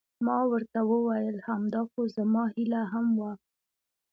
ما ورته وویل: همدا خو زما هیله هم وه.